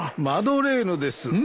マドレーヌです。